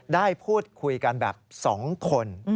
ได้พูดคุยกันแบบ๒คน